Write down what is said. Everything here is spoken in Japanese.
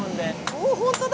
お本当だ。